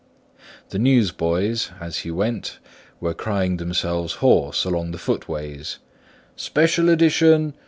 The newsboys, as he went, were crying themselves hoarse along the footways: "Special edition.